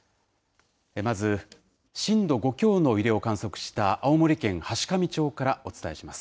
まず、震度５強の揺れを観測した青森県階上町からお伝えします。